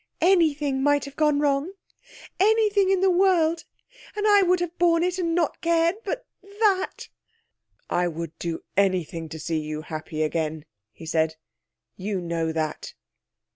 'Anything might have gone wrong anything in the world, and I would have borne it and not cared but that!' 'I would do anything to see you happy again,' he said. 'You know that.'